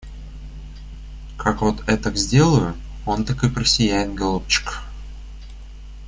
Как вот этак сделаю, он так и просияет, голубчик.